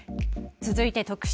続いて特集。